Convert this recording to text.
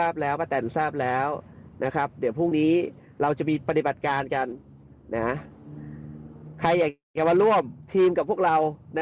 แบ่งไว้นิดนึงก่อน